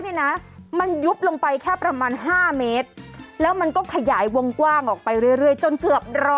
ทั้งพวกค่าเดินทางต่างนะคะ